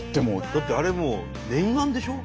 だってあれもう念願でしょ？